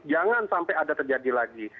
jangan sampai ada terjadi lagi